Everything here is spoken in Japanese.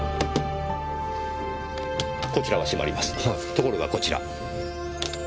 ところがこちら！